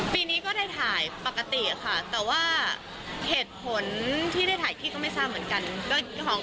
ปีนี้ก็ได้ถ่ายปกติค่ะแต่ว่าเหตุผลที่ได้ถ่ายที่ก็ไม่ทราบเหมือนกัน